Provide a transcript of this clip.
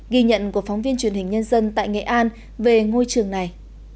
ghi nhận của phóng viên truyền hình nhân dân tại nghệ an về ngôi trường này